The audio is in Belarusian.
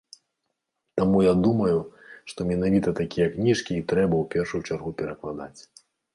Таму я думаю, што менавіта такія кніжкі і трэба ў першую чаргу перакладаць.